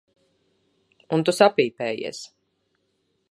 Un tu sapīpējies.